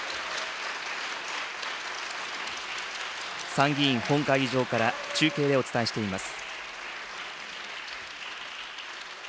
参議院本会議場から中継でお伝えしています。